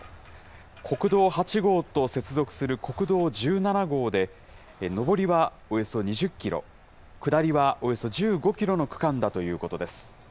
国道８号と接続する国道１７号で、上りはおよそ２０キロ、下りはおよそ１５キロの区間だということです。